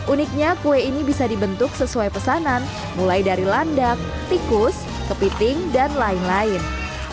uniknya kue ini bisa dibentuk sesuai pesanan mulai dari landak tikus kepiting dan lain lain